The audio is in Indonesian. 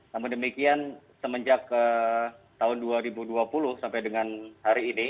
namun demikian semenjak tahun dua ribu dua puluh sampai dengan hari ini